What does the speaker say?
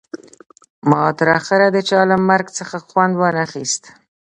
ما تر اخره د چا له مرګ څخه خوند ونه خیست